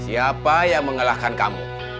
siapa yang mengalahkan kamu